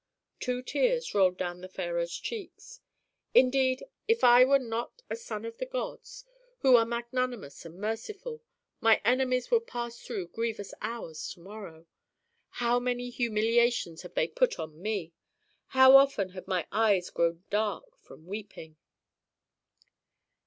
Two tears rolled down the pharaoh's cheeks. "Indeed, if I were not a son of the gods, who are magnanimous and merciful, my enemies would pass through grievous hours to morrow. How many humiliations have they put on me! How often have my eyes grown dark from weeping!"